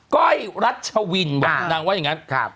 ก้อยรัชวินหว่านางว่าอย่างงั้นครับ